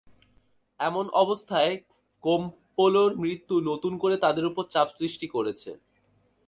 এমন অবস্থায় কোমপোলোর মৃত্যু নতুন করে তাদের ওপর চাপ সৃষ্টি করেছে।